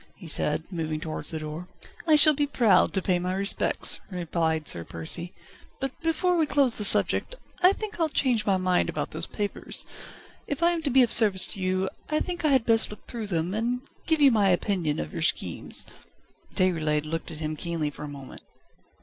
he said, moving towards the door. "I shall be proud to pay my respects," replied Sir Percy; "but before we close the subject, I think I'll change my mind about those papers. If I am to be of service to you I think I had best look through them, and give you my opinion of your schemes." Déroulède looked at him keenly for a moment.